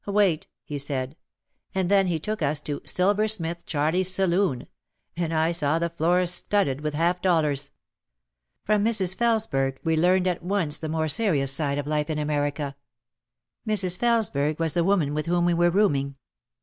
"Wait," he said. And then he took us to "Silver Smith Charlie's saloon" and I saw the floor studded with half dollars ! From Mrs. Felesberg we learned at once the more se rious side of life in America. Mrs. Felesberg was the woman with whom we were rooming.